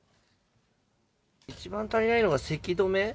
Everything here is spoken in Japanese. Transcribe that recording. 一番足りないのがせき止め。